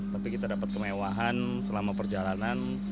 tapi kita dapat kemewahan selama perjalanan